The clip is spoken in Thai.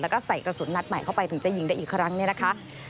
แล้วก็ใส่กระสุนนัดใหม่เข้าไปถึงจะยิงได้อีกครั้งเนี่ยนะคะ